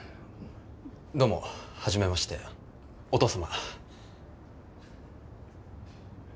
どうも、はじめましてお父様。